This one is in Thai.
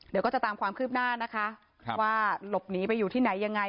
เดี๋ยวก็จะตามความคืบหน้านะคะว่าหลบหนีไปอยู่ที่ไหนยังไง